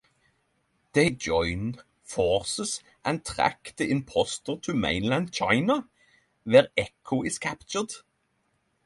They join forces and track the impostor to mainland China, where Echo is captured.